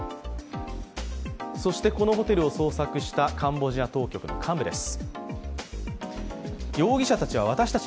そして、このホテルを捜索したカンボジア当局の幹部です。